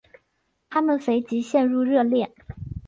他们随即陷入热恋。